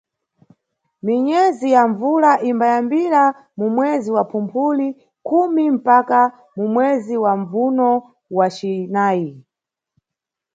Minyezi ya mbvula imbayambira mu mwezi wa Phumphuli khumi mpaka mu mwezi wa Mbvuno wa cinayi.